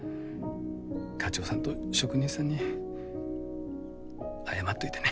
課長さんと職人さんに謝っといてね。